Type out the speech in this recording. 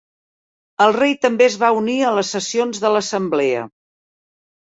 El rei també es va unir a les sessions de l'assemblea.